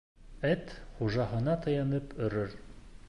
Эт хужаһына таянып өрөр.